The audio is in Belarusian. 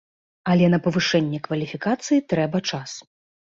Але на павышэнне кваліфікацыі трэба час.